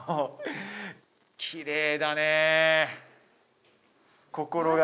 きれいだねえ